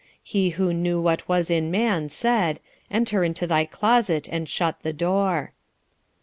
He who knew what was in man said: "Enter into thy closet and shut the door."